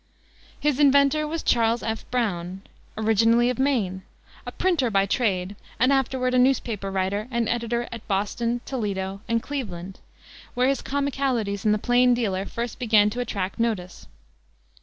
His inventor was Charles F. Browne, originally of Maine, a printer by trade and afterward a newspaper writer and editor at Boston, Toledo and Cleveland, where his comicalities in the Plaindealer first began to attract notice.